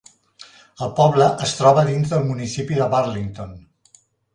El poble es troba dins del municipi de Burlington.